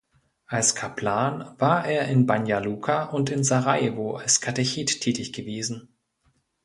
Als Kaplan war er in Banja Luka und in Sarajevo als Katechet tätig gewesen.